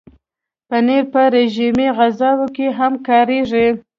پنېر په رژیمي غذاوو کې هم کارېږي.